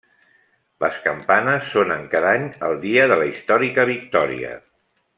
Les campanes sonen cada any el dia de la històrica victòria.